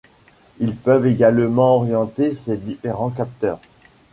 Ils peuvent également orienter ces différents capteurs.